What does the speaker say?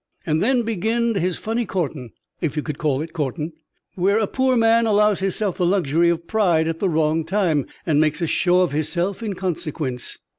And then beginned his funny courting if you can call it courting, where a poor man allows hisself the luxury of pride at the wrong time, and makes a show of hisself in consequence.